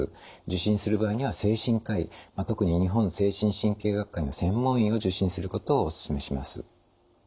受診する場合には精神科医特に日本精神神経学会の専門医を受診することをおすすめします。